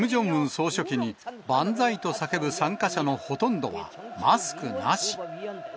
総書記に万歳と叫ぶ参加者のほとんどは、マスクなし。